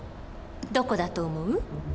どこだと思う？